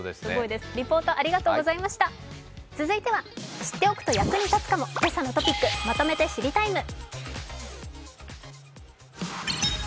リポート、ありがとうございました続いては、知っておくと役に立つかも、「けさのトピックまとめて知りＴＩＭＥ，」